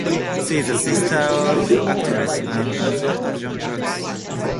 She is the sister of actress Ann and actor John Cusack.